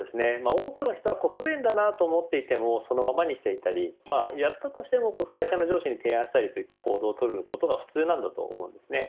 多くの人は不便だなと思っていてもそのままにしていたりやったとしても会社の上司に提案したりといった行動を取るのが普通です。